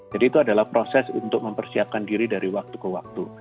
jadi itu adalah proses untuk mempersiapkan diri dari waktu ke waktu